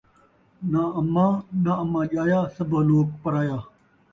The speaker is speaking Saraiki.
ناں اماں ، ناں اماں ڄایا ، سبھو لوک پرایا